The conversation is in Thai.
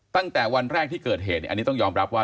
ตั้งแต่วันแรกที่เกิดเหตุอันนี้ต้องยอมรับว่า